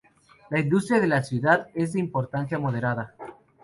La industria de la ciudad es de una importancia moderada.